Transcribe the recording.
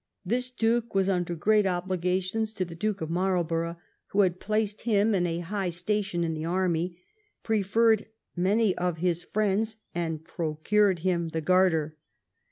This Duke was under great obligations to the Duke of Marlborough, who had placed him in a high station in the army, preferred many of his friends, and procured him the Garter.